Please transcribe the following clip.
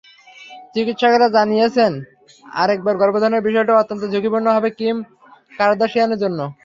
চিকিৎসকেরা জানিয়েছেন, আরেকবার গর্ভধারণের বিষয়টা অত্যন্ত ঝুঁকিপূর্ণ হবে কিম কার্দাশিয়ানের জন্য।